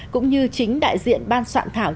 cũng như chính đại diện ban soạn thảo